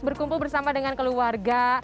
berkumpul bersama dengan keluarga